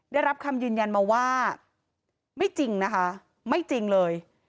ได้รับคำยืนยันมาว่าไม่จริงนะคะไม่จริงเลย